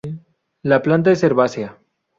La planta es herbácea.